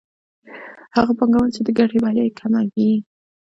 هغه پانګوال چې د ګټې بیه یې کمه وي